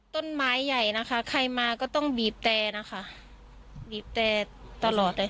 ต้นไม้ใหญ่นะคะใครมาก็ต้องบีบแต่นะคะบีบแต่ตลอดเลย